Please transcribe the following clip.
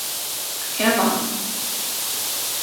Er war.